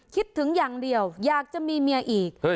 คิดถึงอย่างเดียวอยากจะมีเมียอีก